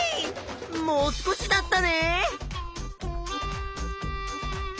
もう少しだったね！